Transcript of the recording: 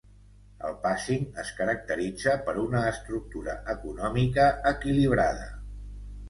El Pasing es caracteritza per una estructura econòmica equilibrada.